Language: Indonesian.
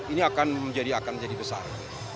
ini akan menjadi besar